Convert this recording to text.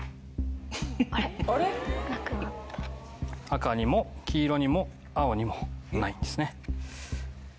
赤にも黄色にも青にもないんですね。